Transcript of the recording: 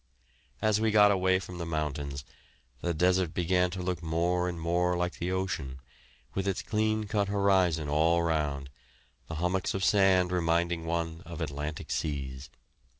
As we got away from the mountains, the desert began to look more and more like the ocean, with its clean cut horizon all round, the hummocks of sand reminding one of Atlantic seas.